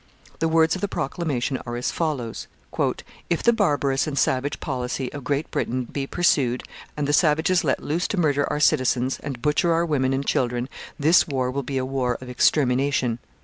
The words of the proclamation are as follows: If the barbarous and savage policy of Great Britain be pursued, and the savages let loose to murder our citizens, and butcher our women and children, this war will be a war of extermination.